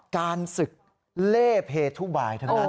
การศึกเล่เพทุบายทั้งนั้น